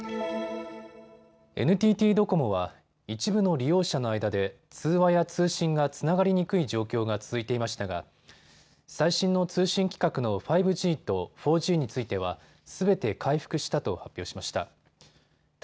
ＮＴＴドコモは一部の利用者の間で通話や通信がつながりにくい状況が続いていましたが最新の通信規格の５Ｇと４Ｇについては、すべて回復したと発表しました。